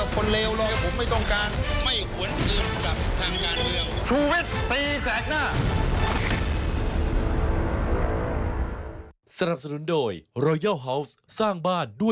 ผมไม่ว่ามือกับคนเลวเลยผมไม่ต้องการ